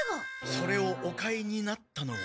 それをお買いになったのは。